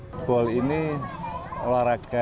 woodball ini olahraga